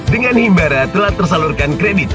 dengan himbara telah tersalurkan kredit